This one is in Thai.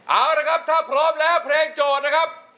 เอาละครับถ้าพร้อมแล้วเพลงโจทย์นะครับ